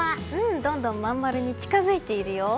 どんどんまん丸に近づいているよ。